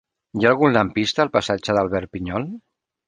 Hi ha algun lampista al passatge d'Albert Pinyol?